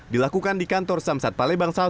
dilakukan di kantor samsat palembang sal